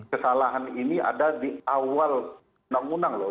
kesalahan ini ada di awal undang undang loh